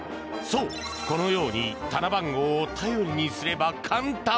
そう、このように棚番号を頼りにすれば簡単。